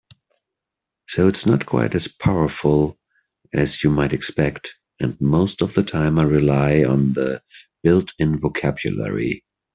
So it's not quite as powerful as you might expect, and most of the time I rely on the built-in vocabulary.